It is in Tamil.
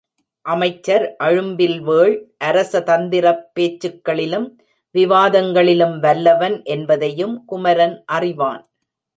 அமைச்சர் அழும்பில்வேள் அரச தந்திரப் பேச்சுக்களிலும் விவாதங்களிலும் வல்லவன் என்பதையும் குமரன் அறிவான்.